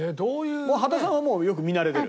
羽田さんはよく見慣れてる？